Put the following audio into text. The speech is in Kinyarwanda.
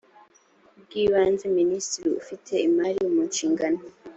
bw ibanze minisitiri ufite imari munshingano